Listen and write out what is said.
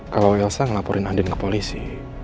kalau wilsa ngelaporin andien ke polisi